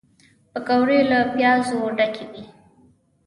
پکورې له پیازو ډکې وي